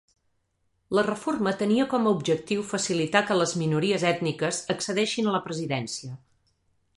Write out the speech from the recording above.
La reforma tenia com a objectiu facilitar que les minories ètniques accedeixin a la presidència.